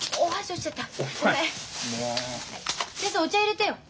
先生お茶いれてよ。